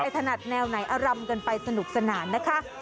ไอทนัดแนวไหนอะรำเยอะแยะไปสนุกสนานนะคะ